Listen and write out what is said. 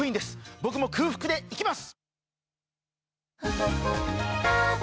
僕も空腹でいきます！